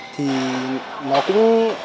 thì nó cũng